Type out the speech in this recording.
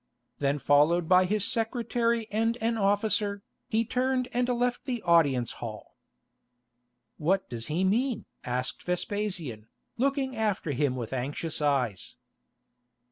Then followed by his secretary and an officer, he turned and left the audience hall. "What does he mean?" asked Vespasian, looking after him with anxious eyes.